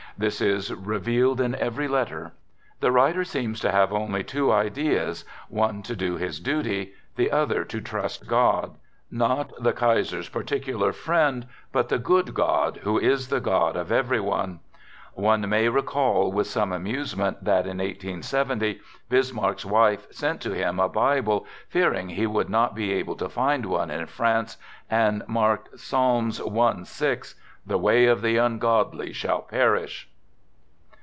This is revealed in every letter. The writer seems to have only two ideas, one to do his duty, and the other to trust God — not the Kaiser's particular friend, but " the good God, who is the God of every one." One may re call with some amusement that in 1870 Bismarck's wife sent to him a Bible, fearing he would not be able to find one in France, and marked Psalms i. 6 :" The way of the ungodly shall perish."